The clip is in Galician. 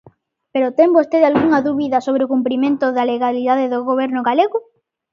¿Pero ten vostede algunha dúbida sobre o cumprimento da legalidade do Goberno galego?